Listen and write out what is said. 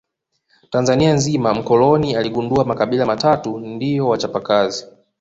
Tanzania nzima mkoloni aligundua makabila matatu ndio wachapa kazi